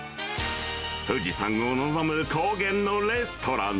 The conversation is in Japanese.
富士山を望む高原のレストラン。